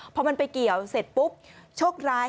พอมันไปเกี่ยวเสร็จปุ๊บโชคร้าย